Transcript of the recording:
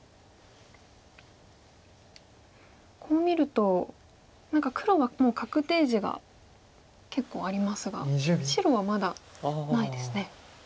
こう見ると何か黒はもう確定地が結構ありますが白はまだないですね。